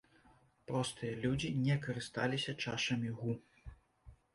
Простыя людзі не карысталіся чашамі гу.